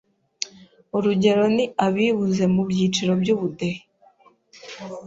Urugero ni abibuze mu byiciro by’ubudehe